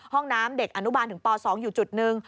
ห้องน้ำเด็กอนุบาลถึงป๒อยู่จุดหนึ่ง